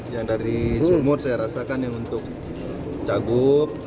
yang dari sumur saya rasakan yang untuk cagup